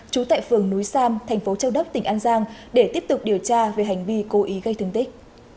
trú tại phường núi sam thành phố châu đốc tỉnh an giang để tiếp tục điều tra về hành vi cố ý gây thương tích